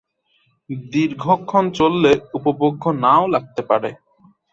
দীর্ঘক্ষণ চললে উপভোগ্য নাও লাগতে পারে।